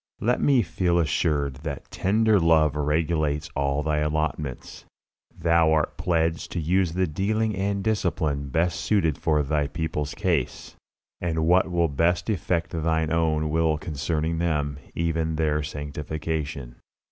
Let me feel assured that tender love regulates all Thy allotments. Thou art pledged to use the dealing and discipline best suited for Thy people's case, and what will best effect Thine own will concerning them, even their sanctification.